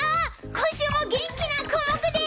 今週も元気なコモクです！